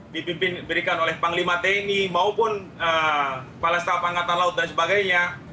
diberikan oleh panglima tni maupun kepala staf angkatan laut dan sebagainya